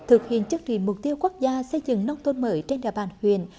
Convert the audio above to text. thực hiện chương trình mục tiêu quốc gia xây dựng nông thôn mới trên đà bàn huyền